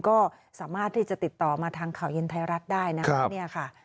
ก็สามารถที่จะติดต่อมาทางข่าวเย็นไทยรัฐได้นะครับเนี่ยค่ะ